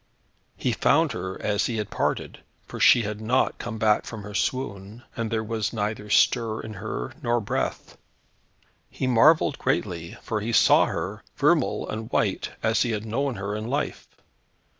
He found her as he had parted, for she had not come back from her swoon, and there was neither stir in her, nor breath. He marvelled greatly, for he saw her, vermeil and white, as he had known her in life.